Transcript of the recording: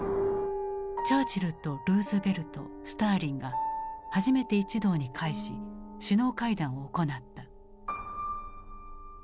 チャーチルとルーズベルトスターリンが初めて一堂に会し首脳会談を行った。